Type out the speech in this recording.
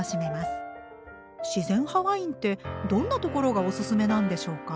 自然派ワインってどんなところがおすすめなんでしょうか？